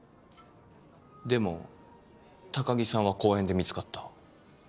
でも高城さんは公園で見つかった。